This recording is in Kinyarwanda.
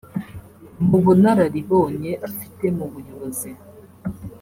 Mu bunararibonye afite mu buyobozi